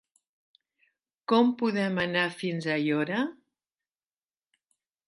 Com podem anar fins a Aiora?